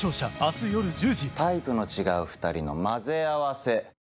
タイプの違う２人の混ぜ合わせ。